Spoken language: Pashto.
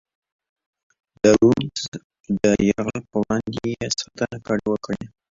د رودز د یرغل پر وړاندې یې ساتنه وکړي.